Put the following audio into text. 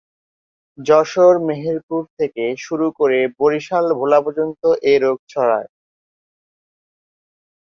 যশোর-মেহেরপুর থেকে শুরু করে বরিশাল-ভোলা পর্যন্ত এ রোগ ছড়ায়।